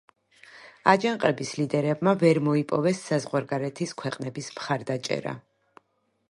აჯანყების ლიდერებმა ვერ მოიპოვეს საზღვარგარეთის ქვეყნების მხარდაჭერა.